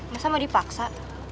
masa mau dipaksa